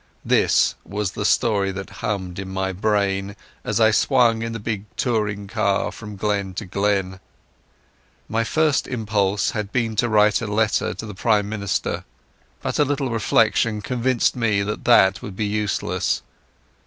This was the story that hummed in my brain as I swung in the big touring car from glen to glen. My first impulse had been to write a letter to the Prime Minister, but a little reflection convinced me that that would be useless.